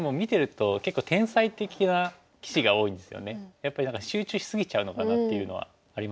やっぱり集中し過ぎちゃうのかなっていうのはありますよね。